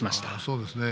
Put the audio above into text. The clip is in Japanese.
そうですね。